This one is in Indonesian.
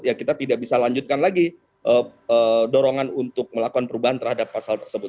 ya kita tidak bisa lanjutkan lagi dorongan untuk melakukan perubahan terhadap pasal tersebut